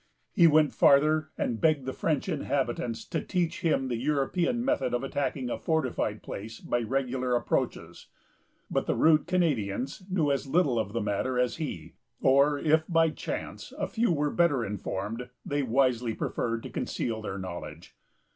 He went farther, and begged the French inhabitants to teach him the European method of attacking a fortified place by regular approaches; but the rude Canadians knew as little of the matter as he; or if, by chance, a few were better informed, they wisely preferred to conceal their knowledge.